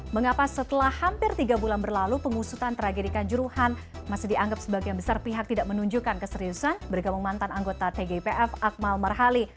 mengapa setelah hampir tiga bulan berlalu pengusutan tragedikan juruhan masih dianggap sebagian besar pihak tidak menunjukkan keseriusan bergabung mantan anggota tgipf akmal marhali